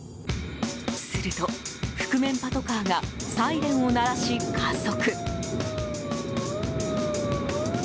すると、覆面パトカーがサイレンを鳴らし加速。